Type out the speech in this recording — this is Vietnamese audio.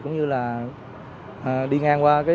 cũng như là đi ngang qua